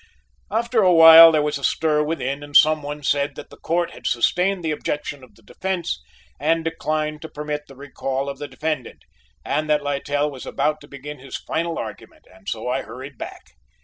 After a while there was a stir within and some one said that the Court had sustained the objection of the defence and declined to permit the recall of the defendant, and that Littell was about to begin his final argument, and so I hurried back.